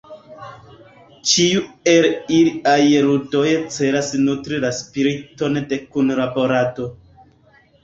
Ĉiu el iliaj ludoj celas nutri la spiriton de kunlaborado.